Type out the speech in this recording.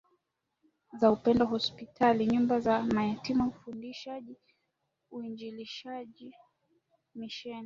za upendo hospitali nyumba za mayatima ufundishaji uinjilishaji misheni